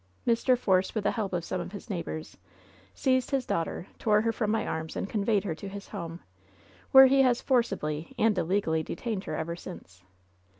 Mr. Force, with the help of some of his neighbors, seized his daughter, tore her from my arms and conveyed her to his home, where he has forcibly and illegally detained her ever since.